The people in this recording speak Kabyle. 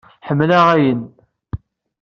Ḥemmleɣ ayen.